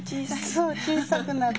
そう小さくなる。